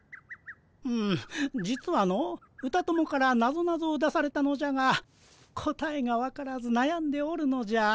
うん実はの歌友からなぞなぞを出されたのじゃが答えが分からずなやんでおるのじゃ。